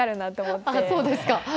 ああそうですか。